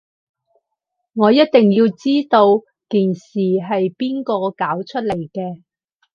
我一定要知道件事係邊個搞出嚟嘅